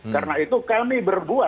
karena itu kami bersinggung